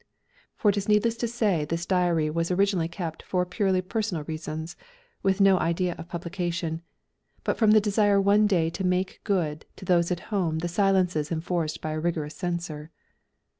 For it is needless to say this diary was originally kept for purely personal reasons, with no idea of publication, but from the desire one day to make good to those at home the silences enforced by a rigorous censor.